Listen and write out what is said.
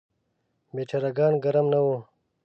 بیچاره ګان ګرم نه وو.